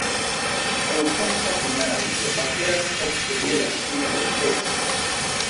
Aŭtenta finaĵo aperas ofte je la fino de peco.